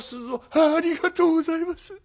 「ありがとうございます。